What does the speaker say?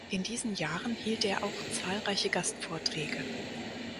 In diesen Jahren hielt er auch zahlreiche Gastvorträge.